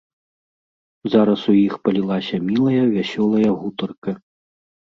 Зараз у іх палілася мілая, вясёлая гутарка.